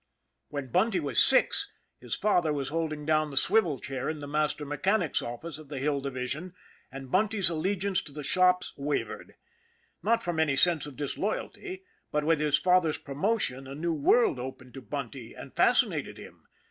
When Bunty was six, his father was holding down the swivel chair in the Master Mechanic's office of the Hill Division, and Bunty's allegiance to the shops wavered. Not from any sense of disloyalty ; but with his father's promotion a new world opened to Bunty, and fascinated him.